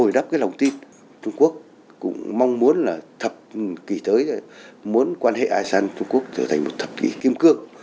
bồi đắp cái lòng tin trung quốc cũng mong muốn là thập kỷ tới muốn quan hệ asean trung quốc trở thành một thập kỷ kim cương